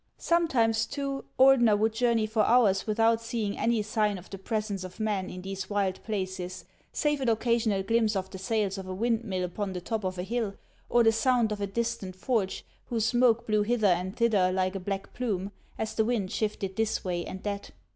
Sometimes, too, Ordeuer would journey for hours with out seeing any sign of the presence of man in these wild places, save an occasional glimpse of the sails of a wind mill upon the top of a hill, or the sound of a distant forge, whose smoke blew hither and thither like a black plume, as the wind shifted this way and that.